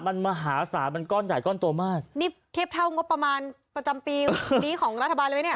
มันมหาศาลมันก้อนใหญ่ก้อนโตมากนี่เทียบเท่างบประมาณประจำปีนี้ของรัฐบาลเลยไหมเนี่ย